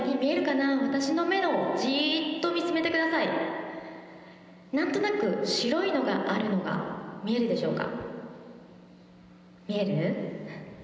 なんとなく白いのがあるのが見えるでしょうか。